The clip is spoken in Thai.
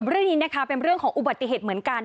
เรื่องนี้นะคะเป็นเรื่องของอุบัติเหตุเหมือนกัน